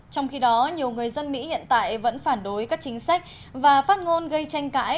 trong khi đó nhiều người dân mỹ hiện tại vẫn phản đối các chính sách và phát ngôn gây tranh cãi